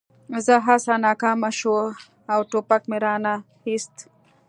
زما هڅه ناکامه شوه او ټوپک مې را نه ایست